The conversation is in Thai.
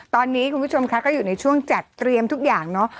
ตอนนี้คุณผู้ชมคะก็อยู่ในช่วงจัดเตรียมทุกอย่างเนาะ